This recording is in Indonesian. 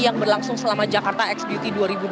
yang berlangsung selama jakarta x beauty dua ribu dua puluh